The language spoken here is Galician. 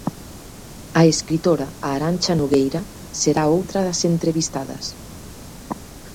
A escritora Arancha Nogueira será outra das entrevistadas.